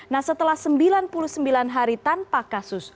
nah setelah sembilan puluh sembilan hari tanpa kasus